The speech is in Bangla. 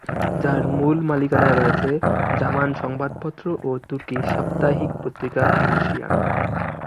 যার মূল মালিকানায় রয়েছে জামান সংবাদপত্র ও তুর্কি সাপ্তাহিক পত্রিকা অ্যাকশিয়ন।